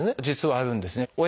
実はあるんですね。